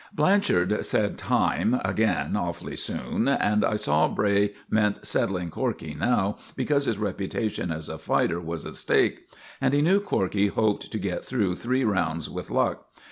Blanchard said "Time!" again awfully soon, and I saw Bray meant settling Corkey now, because his reputation as a fighter was at stake, and he knew Corkey hoped to get through three rounds with luck.